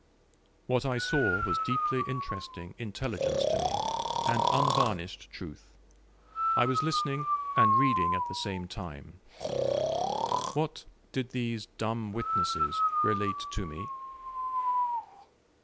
What I saw was deeply interesting intelligence to me, and unvarnished truth. I was listening and reading at the same time. What did these dumb witnesses relate to me?